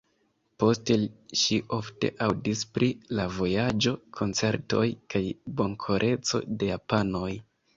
Poste ŝi ofte aŭdis pri la vojaĝo, koncertoj kaj bonkoreco de japanoj.